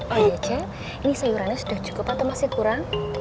oh iya ini sayurannya sudah cukup atau masih kurang